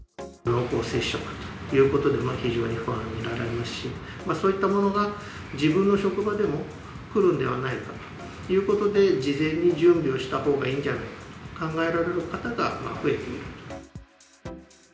濃厚接触ということで、非常に不安になられますし、そういったものが自分の職場でもくるんではないかということで、事前に準備をしたほうがいいんじゃないかと考えられる方が増えている。